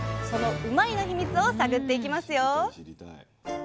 そのうまいッ！のヒミツを探っていきますよ！